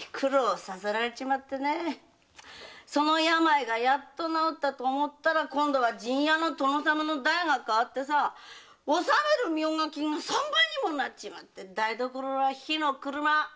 その病がやっと治ったと思ったら今度は陣屋の殿様の代が替わって納める冥加金が三倍にもなっちまって台所は火の車！